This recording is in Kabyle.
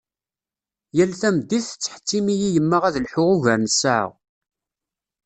Yal tameddit tettḥettim-iyi yemma ad lḥuɣ ugar n ssaɛa.